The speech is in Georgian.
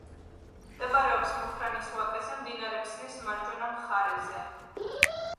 მდებარეობს მუხრანის ვაკეზე, მდინარე ქსნის მარჯვენა მხარეზე.